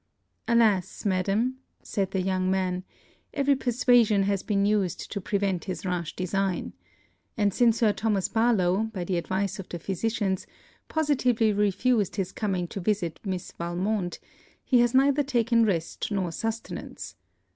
'Alas, Madam,' said the young man, 'every persuasion has been used to prevent his rash design. And since Sir Thomas Barlowe, by the advice of the physicians, positively refused his coming to visit Miss Valmont, he has neither taken rest nor sustenance.